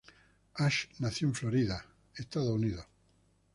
Ash nació en Florida, Estados Unidos.